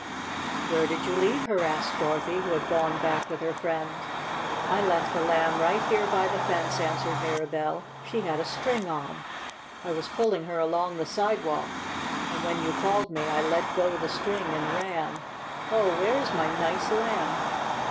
"Where did you leave her?" asked Dorothy, who had gone back with her friend. "I left the Lamb right here by the fence," answered Mirabell. "She had a string on. I was pulling her along the sidewalk, and when you called me I let go the string and ran. Oh, where is my nice Lamb?"